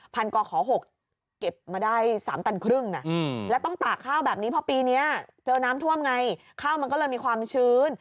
กขอ๖เก็บมาได้๓ตันครึ่งนะแล้วต้องตากข้าวแบบนี้เพราะปีนี้เจอน้ำท่วมไงข้าวมันก็เลยมีความชื้น